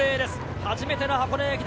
初めての箱根駅伝。